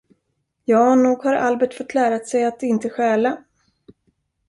Ja, nog har Albert fått lära sig att inte stjäla.